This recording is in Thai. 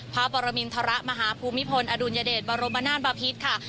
พระปรมินธรมภูมิพลออรมนานบพิษค่ะ